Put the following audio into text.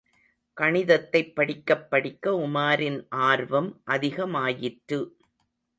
கணிதத்தைப் படிக்கப் படிக்க உமாரின் ஆர்வம் அதிகமாயிற்று.